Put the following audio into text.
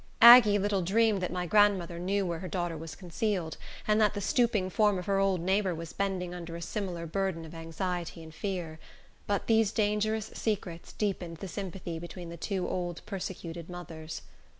Aggie little dreamed that my grandmother knew where her daughter was concealed, and that the stooping form of her old neighbor was bending under a similar burden of anxiety and fear; but these dangerous secrets deepened the sympathy between the two old persecuted mothers.